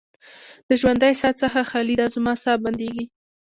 د ژوندۍ ساه څخه خالي ده، زما ساه بندیږې